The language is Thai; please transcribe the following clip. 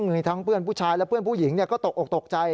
มีทั้งเพื่อนผู้ชายและเพื่อนผู้หญิงก็ตกออกตกใจ